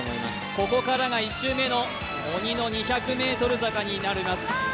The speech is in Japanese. ここからが１周目の鬼の２００ｍ坂になります。